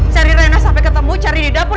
cari rena sampai ketemu cari di dapur